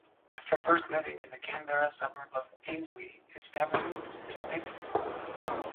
After first living in the Canberra suburb of Ainslie, his family moved to Latham.